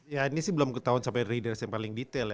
ya ini sih belum ketahuan sampai readers yang paling detail ya